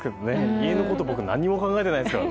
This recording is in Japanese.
家のこと何も考えてないですから。